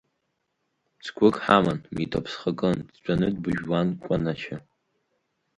Цгәык ҳаман, митә аԥсхакын, дтәаны дбыжәуан Кәанача.